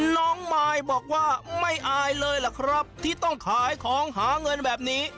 น้องมายบอกว่าไม่อายเลยล่ะครับที่ต้องขายของหาเงินแบบนี้